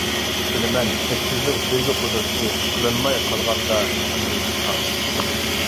بىلىمەن چەكسىزدۇر سۆيگۈ قۇدرىتى، قىلىنماي قالغاندا ھېچكىمگە ئىزھار.